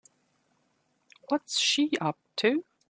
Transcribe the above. What's she up to?